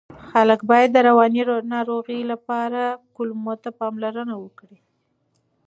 خلک باید د رواني روغتیا لپاره کولمو ته پاملرنه وکړي.